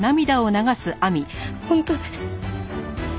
本当です。